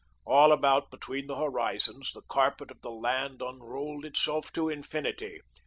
All about between the horizons, the carpet of the land unrolled itself to infinity.